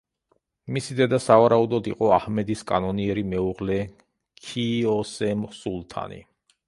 მისი დედა სავარაუდოდ იყო აჰმედის კანონიერი მეუღლე ქიოსემ სულთანი.